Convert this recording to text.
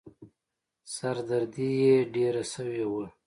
سر دردي يې ډېره شوې وه.